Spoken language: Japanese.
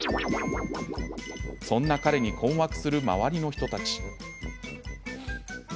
そんな彼に困惑する周りの人たち。